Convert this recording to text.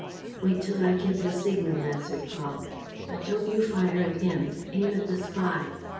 "Wait till I give the signal," answered Paul. "But don't you fire at him, aim at the spy."